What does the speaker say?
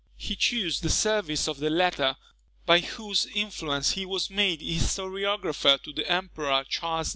He chose the service of the latter, by whose influence he was made historiographer to the Emperor Charles V.